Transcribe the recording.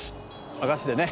和菓子でね